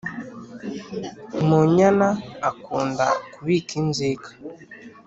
munyana akunda kubika inzika